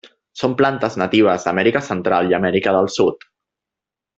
Són plantes natives d'Amèrica Central i Amèrica del Sud.